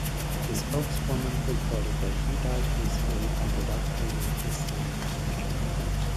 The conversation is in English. His spokeswoman reported that he died "peacefully and without pain in his sleep".